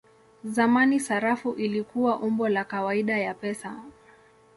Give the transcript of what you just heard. Zamani sarafu ilikuwa umbo la kawaida ya pesa.